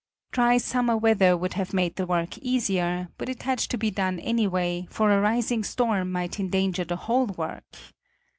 Dry summer weather would have made the work easier; but it had to be done anyway, for a rising storm might endanger the whole work.